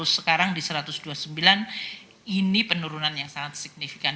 sekarang di satu ratus dua puluh sembilan ini penurunan yang sangat signifikan